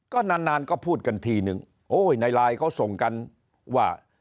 ก็นานนานก็พูดกันทีนึงโอ้ยในไลน์เขาส่งกันว่า